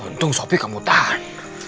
untung sopi kamu tahan